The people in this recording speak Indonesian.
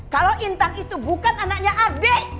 kalau intan itu bukan anaknya adik